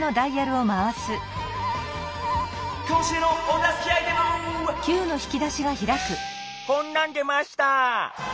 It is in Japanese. こんなん出ました。